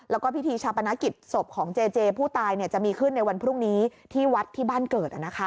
แล้วก็พิธีชาปนกิจศพของเจเจผู้ตายจะมีขึ้นในวันพรุ่งนี้ที่วัดที่บ้านเกิด